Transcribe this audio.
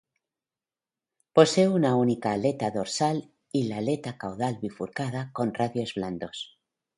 Posee una única aleta dorsal y la aleta caudal bifurcada, con radios blandos.